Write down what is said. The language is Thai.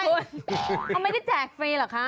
เขาไม่ได้แจกฟรีเหรอคะ